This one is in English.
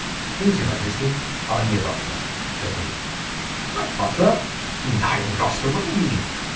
"Please your majesty, I'm your butler," said he. "My butler! you lying rascal? What do you mean?"